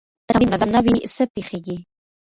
که تمرین منظم نه وي، څه پېښېږي؟